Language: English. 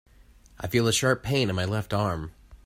I feel a sharp pain in my left arm.